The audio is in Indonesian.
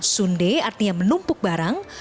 sunde artinya menumpuk barang